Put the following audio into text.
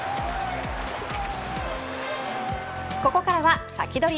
ここからはサキドリ！